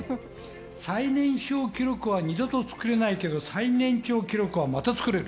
最年少記録は二度と作れないけど、最年長記録はまた作れる。